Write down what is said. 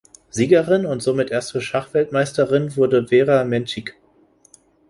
Siegerin und somit erste Schachweltmeisterin wurde Vera Menchik.